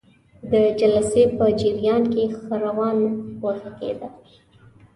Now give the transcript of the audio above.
د جلسې په جریان کې ښه روان وغږیده.